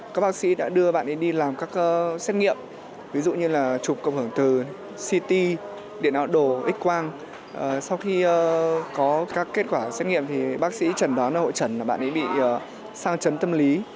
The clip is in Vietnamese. ct điện ảo đồ x quang sau khi có các kết quả xét nghiệm thì bác sĩ chẩn đoán hội chẩn là bạn ấy bị sang chấn tâm lý